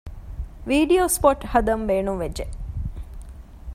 ވީޑިއޯ ސްޕޮޓް ހަދަން ބޭނުންވެއްޖެ